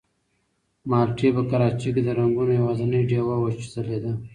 مالټې په کراچۍ کې د رنګونو یوازینۍ ډېوه وه چې ځلېده.